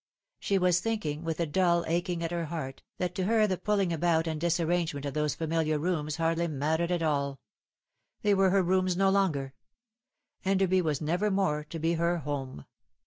She was thinking, with a dull aching at her heart, that to her the pulling about and disarrangement of those familiar rooms hardly mattered at all. They were her rooms no longer. Emlerby was never more to be her home.